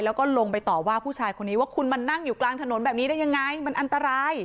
แล้วก็ลงไปต่อว่าผู้ชายคนนี้ว่าคุณมานั่งอยู่กลางถนนแบบนี้ได้ยังไงมันอันตราย